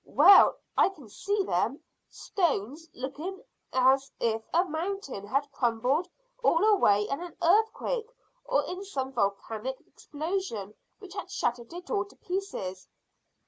"Well, I can see them; stones, looking as if a mountain had crumbled all away in an earthquake, or in some volcanic explosion which had shattered it all to pieces."